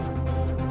aku mau ke rumah